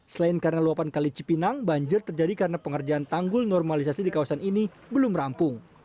selain karena luapan kali cipinang banjir terjadi karena pengerjaan tanggul normalisasi di kawasan ini belum rampung